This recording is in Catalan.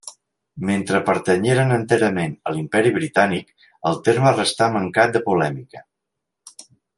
Mentre pertanyeren enterament a l'Imperi Britànic el terme restà mancat de polèmica.